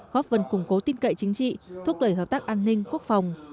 góp phần củng cố tin cậy chính trị thúc đẩy hợp tác an ninh quốc phòng